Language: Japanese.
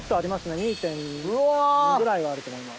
２．２ぐらいはあると思います。